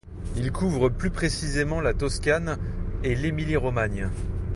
Il couvre plus précisément la Toscane et l'Émilie-Romagne.